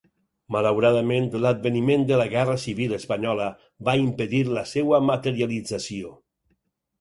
Malauradament, l'adveniment de la Guerra Civil espanyola va impedir la seua materialització.